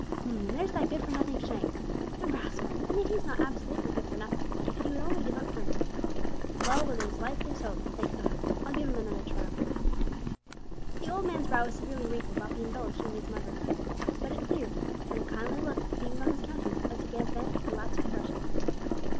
H'm! and there's that good for nothing Shank. The rascal! and yet he's not absolutely good for nothing if he would only give up drink. Well, while there's life there's hope, thank God! I'll give him another trial." The old man's brow was severely wrinkled while he indulged in these mutterings, but it cleared, and a kindly look beamed on his countenance as he gave vent to the last expression.